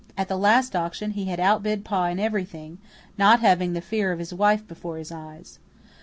At the last auction he had outbid Pa in everything, not having the fear of his wife before his eyes.